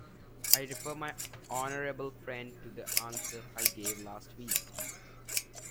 I refer my honourable friend to the answer I gave last week.